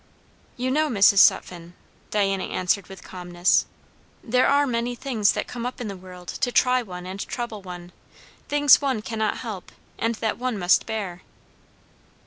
"You know, Mrs. Sutphen," Diana answered with calmness, "there are many things that come up in the world to try one and trouble one; things one cannot help, and that one must bear."